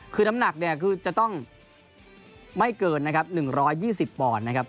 คือน้ำหนักเนี่ยคือจะต้องไม่เกินนะครับ๑๒๐ปอนด์นะครับ